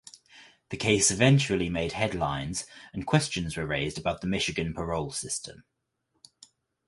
The case eventually made headlines and questions were raised about the Michigan parole system.